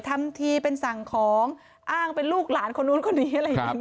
ทำทีเป็นสั่งของอ้างเป็นลูกหลานคนนู้นคนนี้อะไรอย่างนี้